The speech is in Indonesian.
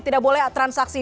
tidak boleh transaksi